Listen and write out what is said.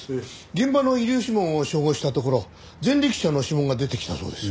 現場の遺留指紋を照合したところ前歴者の指紋が出てきたそうです。